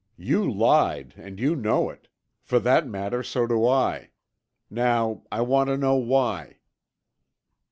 "You lied and you know it. For that matter so do I. Now I want to know why?"